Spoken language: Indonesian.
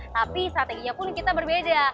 tapi strateginya pun kita berbeda